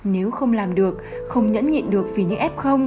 nếu không làm được không nhẫn nhịn được vì những f